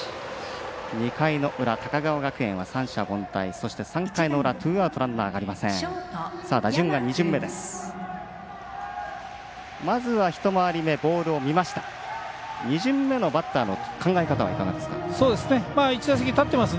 ２回の裏、高川学園は三者凡退そして３回裏ツーアウトランナーがありません。